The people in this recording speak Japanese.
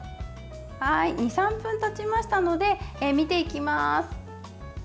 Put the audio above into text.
２３分たちましたので見ていきます。